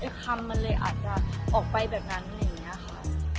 คำมันเลยอาจจะออกไปแบบนั้นอะไรอย่างนี้ค่ะ